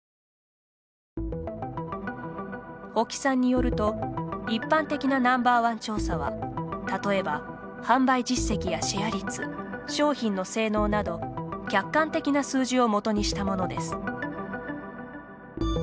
保木さんによると一般的なＮｏ．１調査は例えば、販売実績やシェア率商品の性能など客観的な数字をもとにしたものです。